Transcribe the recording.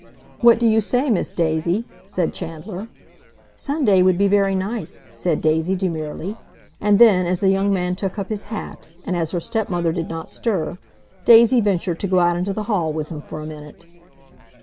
"What do you say, Miss Daisy?" said Chandler. "Sunday would be very nice," said Daisy demurely. And then, as the young man took up his hat, and as her stepmother did not stir, Daisy ventured to go out into the hall with him for a minute.